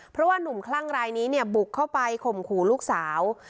เพราะว่านุ่มคลั่งรายนี้เนี่ยบุกเข้าไปข่มขู่ลูกสาว